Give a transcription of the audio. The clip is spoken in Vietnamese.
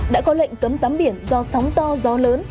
đã có lệnh cấm tắm biển do sóng to gió lớn